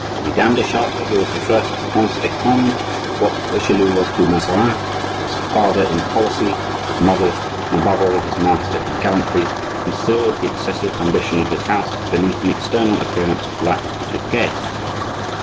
The Vidame de Chartres—who was to the first Prince de Conde what Richelieu was to Mazarin, his father in policy, his model, and, above all, his master in gallantry—concealed the excessive ambition of his house beneath an external appearance of light hearted gaiety.